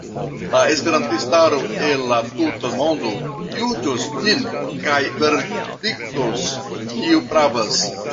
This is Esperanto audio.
La esperantistaro el la tuta mondo juĝos nin kaj verdiktos, kiu pravas.